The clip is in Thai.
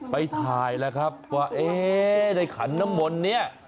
ไปทายล่ะครับว่าเอ๊ะเนี่ยในขันน้ำมนเนี่ย